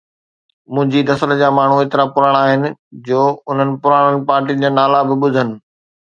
منهنجي نسل جا ماڻهو ايترا پراڻا آهن جو انهن پراڻن پارٽين جا نالا به ٻڌن.